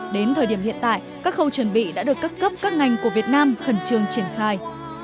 đến thời điểm hiện tại các khâu chuẩn bị đã được các cấp các ngành của việt nam khẩn trương triển khai